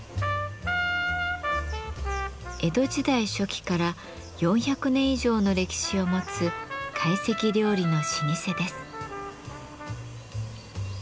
江戸時代初期から４００年以上の歴史を持つ懐石料理の老舗です。